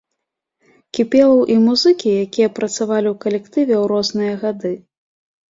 Кіпелаў і музыкі, якія працавалі ў калектыве ў розныя гады.